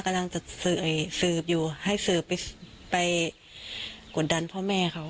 กำลังจะสืบอยู่ให้สืบไปกดดันพ่อแม่เขา